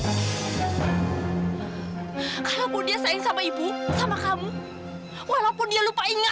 kalau pun dia sayang sama ibu sama kamu walaupun dia lupa ingat kamu